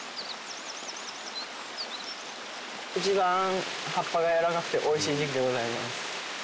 一番葉っぱがやわらかくておいしい時期でございます。